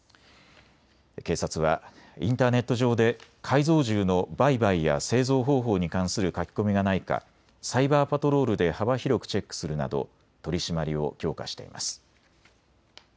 警察はインターネット上で改造銃の売買や製造方法に関する書き込みがないかサイバーパトロールで幅広くチェックするなど取締りを強化しています。